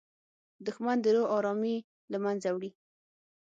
دښمن د روح ارامي له منځه وړي